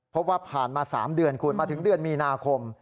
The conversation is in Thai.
เพราะว่าผ่านมา๓เดือนคุณมาถึงเดือนมีนาคม